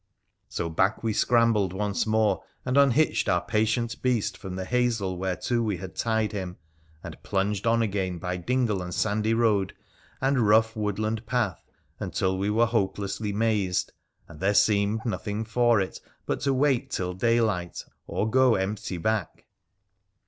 So back we scrambled once more, and unhitched our patient beast from the hazel whereto we had tied him, and plunged on again by dingle and sandy road, and rough wood land path, until we were hopelessly mazed, and there seemed nothing for it but to wait till daylight or go empty back.